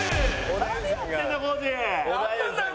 何やってんだよ